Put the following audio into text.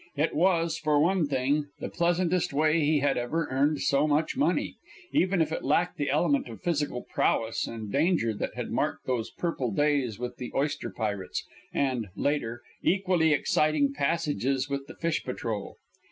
It was, for one thing, the pleasantest way he had ever earned so much money, even if it lacked the element of physical prowess and danger that had marked those purple days with the oyster pirates, and, later, equally exciting passages with the Fish Patrol.